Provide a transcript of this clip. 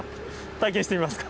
体験してみますか？